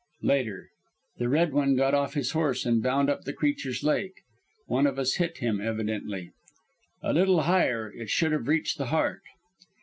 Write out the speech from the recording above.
"Later. The Red One got off his horse and bound up the creature's leg. One of us hit him, evidently. A little higher, it would have reached the heart.